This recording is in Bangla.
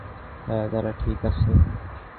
হ্যাঁ, তারা ঠিক আছে।